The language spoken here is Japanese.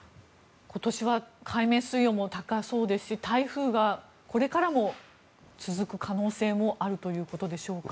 今年は海面水温も高そうですし台風がこれからも続く可能性もあるということでしょうか？